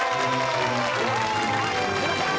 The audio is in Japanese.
あっすいません。